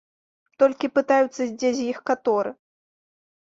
Толькі пытаюцца, дзе з іх каторы.